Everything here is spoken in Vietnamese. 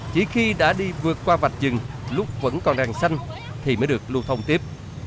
chỉ khi đã đi vượt qua vạch dừng lúc vẫn còn đèn xanh thì mới được lưu thông tiếp